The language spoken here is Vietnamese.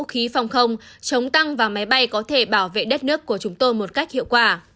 khí phòng không chống tăng và máy bay có thể bảo vệ đất nước của chúng tôi một cách hiệu quả